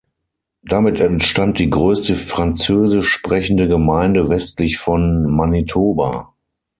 Damit entstand die größte Französisch sprechende Gemeinde westlich von Manitoba.